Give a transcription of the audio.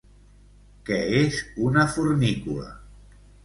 Què és una fornícula?